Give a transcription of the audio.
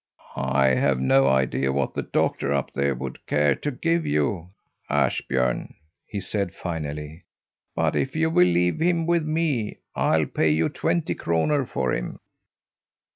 "I have no idea what the doctor up there would care to give you, Ashbjörn," he said finally. "But if you will leave him with me, I'll pay you twenty kroner for him."